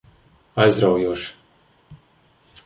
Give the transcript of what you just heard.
Aizraujoši.